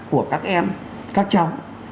của các em các cháu